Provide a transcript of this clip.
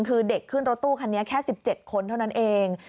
คือเด็กขึ้นรถตู้คันนี้แค่๑๗คนเท่านั้นเอง